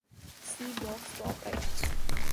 See box, top right.